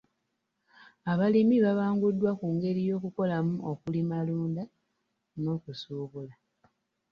Abalimi babanguddwa ku ngeri y'okukolamu okulimalunda n'okusuubula.